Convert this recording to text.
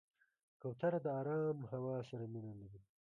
کوتره د آرام هوا سره مینه لري.